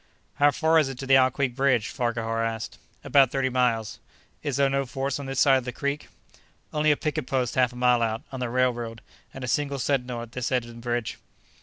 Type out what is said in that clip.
"How far is it to the Owl Creek bridge?" Farquhar asked. "About thirty miles." "Is there no force on this side of the creek?" "Only a picket post half a mile out, on the railroad, and a single sentinel at this end of the bridge."